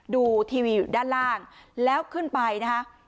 ดูทีวีอยู่ด้านล่างแล้วขึ้นไปนะคะ